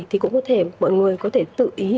thì cũng có thể mọi người có thể tự ý